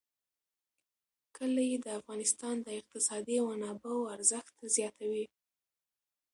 کلي د افغانستان د اقتصادي منابعو ارزښت زیاتوي.